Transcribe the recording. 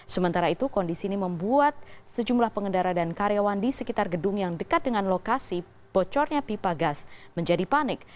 sementara itu kondisi ini membuat sejumlah pengendara dan karyawan di sekitar gedung yang dekat dengan lokasi bocornya pipa gas menjadi panik